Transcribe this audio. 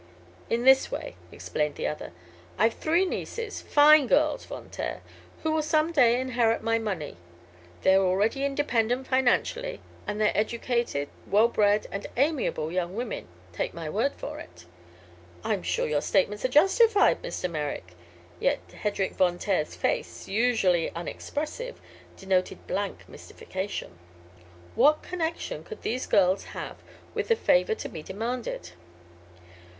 "It's this way," explained the other: "I've three nieces fine girls, Von Taer who will some day inherit my money. They are already independent, financially, and they're educated, well bred and amiable young women. Take my word for it." "I am sure your statements are justified, Mr. Merrick." Yet Hedrik Von Taer's face, usually unexpressive, denoted blank mystification. What connection could these girls have with the favor to be demanded?